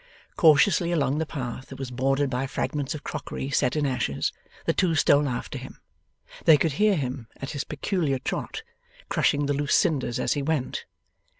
Cautiously along the path that was bordered by fragments of crockery set in ashes, the two stole after him. They could hear him at his peculiar trot, crushing the loose cinders as he went.